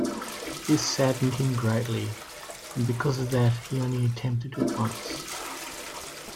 This saddened him greatly, and because of that, he only attempted it once.